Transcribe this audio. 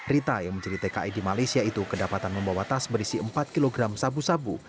rita yang menjadi tki di malaysia itu kedapatan membawa tas berisi empat kg sabu sabu